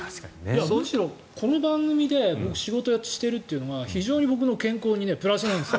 むしろこの番組で仕事をしているのが僕の健康のプラスなんです。